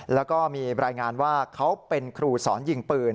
แล้วก็มีรายงานว่าเขาเป็นครูสอนยิงปืน